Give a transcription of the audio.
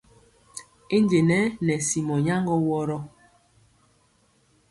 I njenɛ nɛ simɔ nyaŋgɔ wɔrɔ.